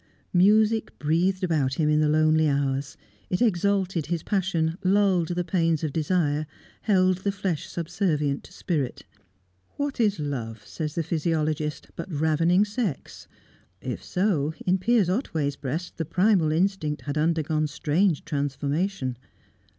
Music breathed about him in the lonely hours. It exalted his passion, lulled the pains of desire, held the flesh subservient to spirit. What is love, says the physiologist, but ravening sex? If so, in Piers Otway's breast the primal instinct had undergone strange transformation.